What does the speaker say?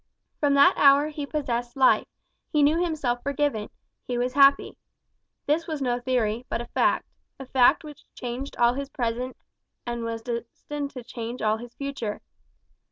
From that hour he possessed life, he knew himself forgiven, he was happy. This was no theory, but a fact a fact which changed all his present and was destined to change all his future.